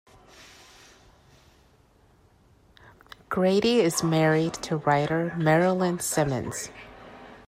Grady is married to writer Merilyn Simonds.